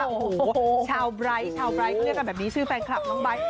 โอ้โหชาวไบร์ทชาวไร้เขาเรียกกันแบบนี้ชื่อแฟนคลับน้องไบท์